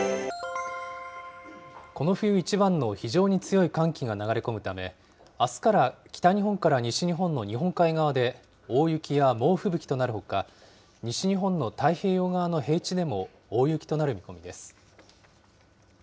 この冬一番の非常に強い寒気が流れ込むため、あすから北日本から西日本の日本海側で、大雪や猛吹雪となるほか、西日本の太平洋側の平地でも大雪となる見込みです。